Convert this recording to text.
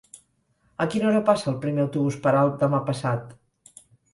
A quina hora passa el primer autobús per Alp demà passat?